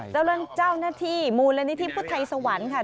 เจ้าเรือนเจ้าหน้าที่มูลนิธิพุทธัยสวรรค์ค่ะ